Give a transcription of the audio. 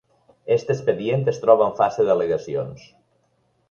Este expedient es troba en fase d’al·legacions.